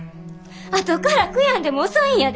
あとから悔やんでも遅いんやで。